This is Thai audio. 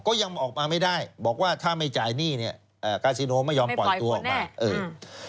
ก็ยังออกมาไม่ได้บอกว่าถ้าไม่จ่ายหนี้เนี่ยกาซิโนไม่ยอมปล่อยตัวออกมาเออ